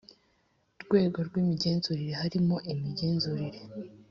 rwego rw imigenzurire harimo imigenzurire